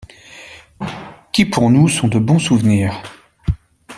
…qui pour nous sont de bons souvenirs.